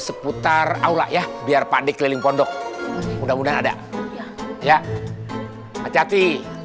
seputar aula ya biar panik keliling pondok mudah mudahan ada ya hati hati